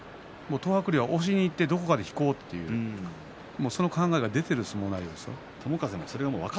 東白龍が押しにいってどこかで引こうという考えが出ている相撲内容でした。